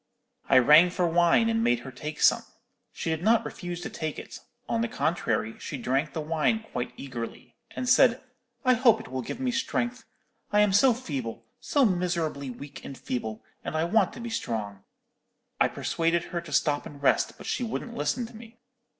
"'I rang for wine, and made her take some. She did not refuse to take it; on the contrary, she drank the wine quite eagerly, and said, 'I hope it will give me strength. I am so feeble, so miserably weak and feeble, and I want to be strong.' I persuaded her to stop and rest; but she wouldn't listen to me.